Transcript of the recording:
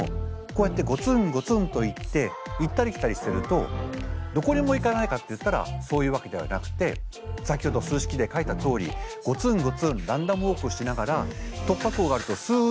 こうやってゴツンゴツンといって行ったり来たりしてるとどこにも行かないかっていったらそういうわけではなくて先ほど数式で書いたとおりゴツンゴツンランダムウォークしながら突破口があるとすっと行く。